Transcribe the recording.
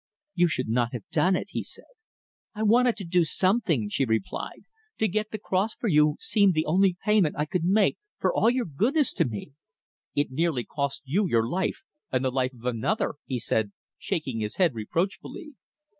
"You should not have done it," he said. "I wanted to do something," she replied. "To get the cross for you seemed the only payment I could make for all your goodness to me." "It nearly cost you your life and the life of another," he said, shaking his head reproachfully.